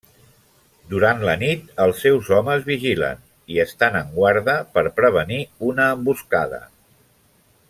Durant la nit els seus homes vigilen i estan en guarda per prevenir una emboscada.